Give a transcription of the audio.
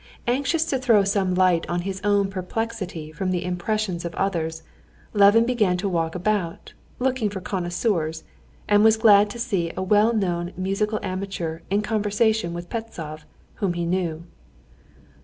Anxious to throw some light on his own perplexity from the impressions of others, Levin began to walk about, looking for connoisseurs, and was glad to see a well known musical amateur in conversation with Pestsov, whom he knew.